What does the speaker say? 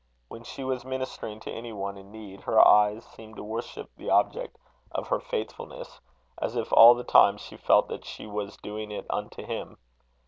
When she was ministering to any one in need, her eyes seemed to worship the object of her faithfulness, as if all the time she felt that she was doing it unto Him.